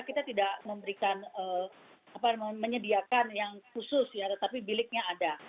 kita tidak memberikan apa menyediakan yang khusus ya tetapi biliknya ada